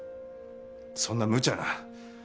そんなむちゃな。